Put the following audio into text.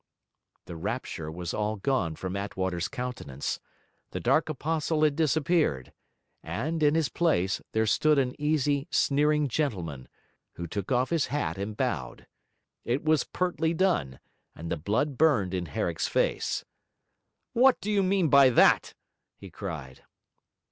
The rapture was all gone from Artwater's countenance; the dark apostle had disappeared; and in his place there stood an easy, sneering gentleman, who took off his hat and bowed. It was pertly done, and the blood burned in Herrick's face. 'What do you mean by that?' he cried.